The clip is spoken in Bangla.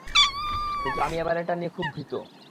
কিন্তু আমি এবারেরটা নিয়ে খুব ভীত।